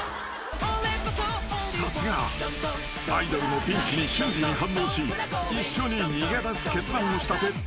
［さすがアイドルのピンチに瞬時に反応し一緒に逃げ出す決断をした別府］